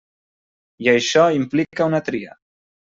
I això implica una tria.